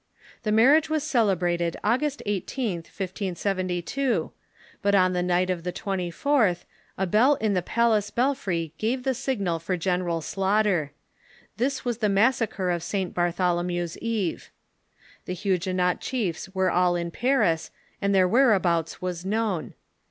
The mar riage was celebrated August 18th, 1572, but on the night of the 24th a bell in the palace belfry gave the signal for general slaughter. This was the Massacre of St. Bartholomew's Eve. The Huguenot chiefs were all in Paris, and their whereabouts was known.